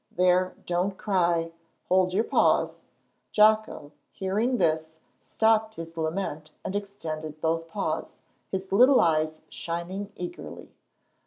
There, don't cry. Hold your paws." Jocko, hearing this, stopped his lament and extended both paws, his little eyes shining eagerly.